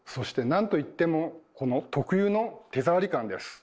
なんといってもこの特有の手触り感です。